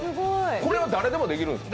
これは誰でもできるんですか？